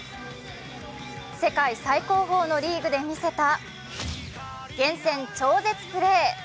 世界最高峰のリーグで見せた厳選超絶プレー。